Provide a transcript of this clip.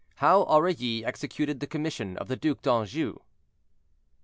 HOW AURILLY EXECUTED THE COMMISSION OF THE DUC D'ANJOU.